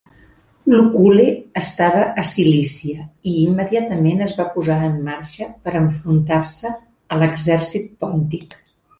Lucul·le estava a Cilícia i immediatament es va posar en marxa per enfrontar-se a l'exèrcit pòntic.